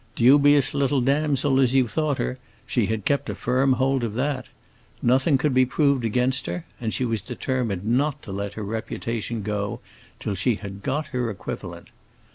Dubious little damsel as you thought her, she had kept a firm hold of that; nothing could be proved against her, and she was determined not to let her reputation go till she had got her equivalent.